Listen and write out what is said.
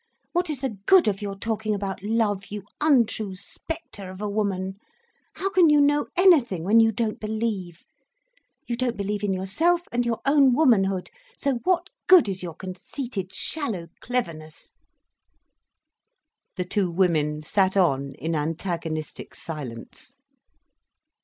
What is the good of your talking about love—you untrue spectre of a woman! How can you know anything, when you don't believe? You don't believe in yourself and your own womanhood, so what good is your conceited, shallow cleverness—!" The two women sat on in antagonistic silence.